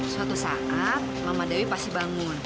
suatu saat mama dewi pasti bangun ya